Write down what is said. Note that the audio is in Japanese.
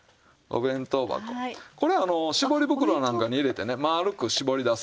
これ絞り袋なんかに入れてね丸く絞り出すいうのもできます。